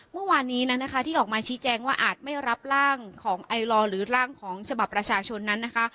เมื่อวานนี้แล้วนะคะที่ออกมาชี้แจงว่าอาจไม่รับร่างของไอลอร์หรือร่างของฉบับประชาชนนั้นนะคะ